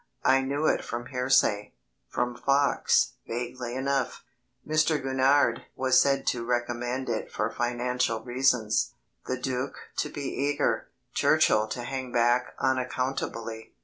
I knew it from hearsay, from Fox, vaguely enough. Mr. Gurnard was said to recommend it for financial reasons, the Duc to be eager, Churchill to hang back unaccountably.